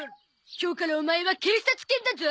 今日からオマエは警察犬だゾ。